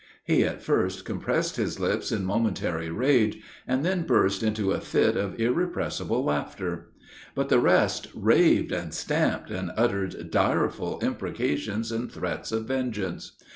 He at first compressed his lips in momentary rage, and then burst into a fit of irrepressible laughter. But the rest raved and stamped, and uttered direful imprecations and threats of vengeance.